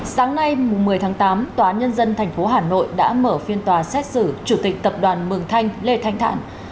sáng nay một mươi tháng tám tòa nhân dân tp hà nội đã mở phiên tòa xét xử chủ tịch tập đoàn mường thanh lê thanh thản